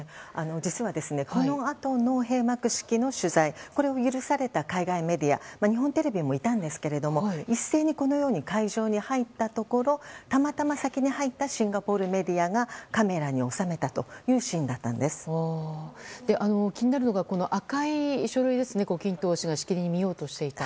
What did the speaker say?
実は、このあとの閉幕式の取材これを許された海外メディア日本テレビもいたんですけれども一斉に、このように会場に入ったところたまたま先に入ったシンガポールメディアがカメラに収めたという気になるのが赤い書類ですね、胡錦涛氏がしきりに見ようとしていた。